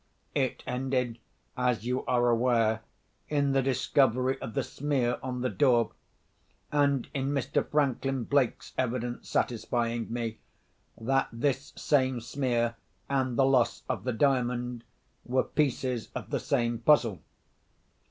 It ended, as you are aware, in the discovery of the smear on the door, and in Mr. Franklin Blake's evidence satisfying me, that this same smear, and the loss of the Diamond, were pieces of the same puzzle.